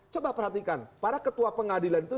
coba perhatikan para ketua pengadilan itu